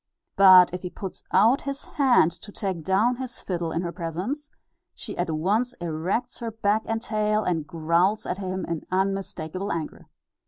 But if he puts out his hand to take down his fiddle in her presence, she at once erects her back and tail, and growls at him, in unmistakable anger.